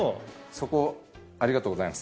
そこありがとうございます